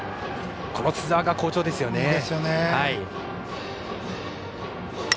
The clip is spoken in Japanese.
この津澤が好調ですよね。